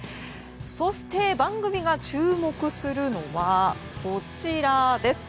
そして、番組が注目するのはこちらです。